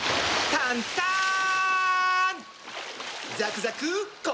タンターン！